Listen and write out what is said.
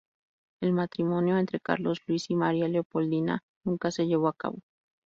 El matrimonio entre Carlos Luis y María Leopoldina nunca se llevó a cabo.